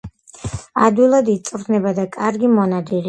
ადვილად იწვრთნება და კარგი მონადირეა.